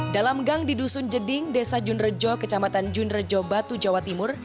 dalam gang di dusun jeding desa junrejo kecamatan junrejo batu jawa timur